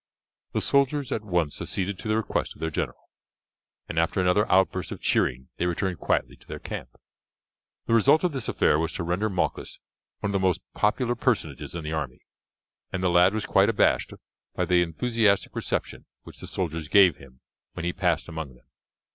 The soldiers at once acceded to the request of their general, and after another outburst of cheering they returned quietly to their camp. The result of this affair was to render Malchus one of the most popular personages in the army, and the lad was quite abashed by the enthusiastic reception which the soldiers gave him when he passed among them.